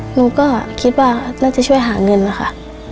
หนูก็คิดว่าน่าจะช่วยหาเงินนะคะ